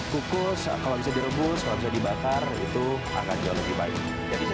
kukus kalau bisa direbus kalau bisa dibakar itu akan jauh lebih baik